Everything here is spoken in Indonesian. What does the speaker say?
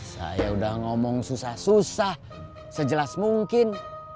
saya udah ngomong susah susah sejelas mungkin